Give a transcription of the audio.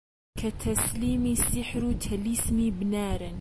کە تەسلیمی سیحر و تەلیسمی بنارن